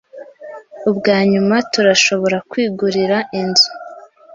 Ubwanyuma turashobora kwigurira inzu.